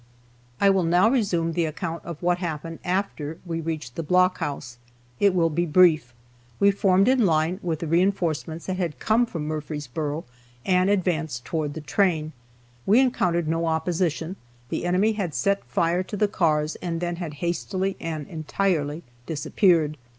I will now resume the account of what occurred after we reached the blockhouse. It will be brief. We formed in line with the reinforcements that had come from Murfreesboro, and advanced toward the train. We encountered no opposition; the enemy had set fire to the cars, and then had hastily and entirely disappeared.